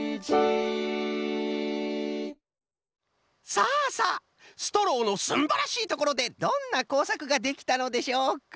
さあさあストローのすんばらしいところでどんなこうさくができたのでしょうか？